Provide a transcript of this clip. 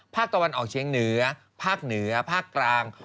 ภาคตะวันออกเชียงเหนือภาคเหนือภาคกลาง